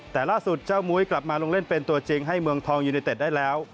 แต่ล่าสุดเจ้ามุ้ยกลับมาลงเล่นเป็นตัวจริงให้เมืองทองยูเนเต็ดได้แล้ว